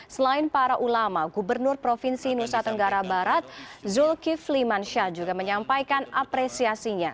selain para ulama gubernur provinsi nusa tenggara barat zulkifli mansyah juga menyampaikan apresiasinya